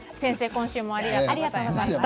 今週もありがとうございました。